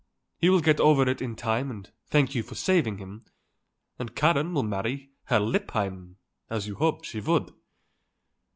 He will get over it in time and thank you for saving him; and Karen will marry Herr Lippheim, as you hoped she would."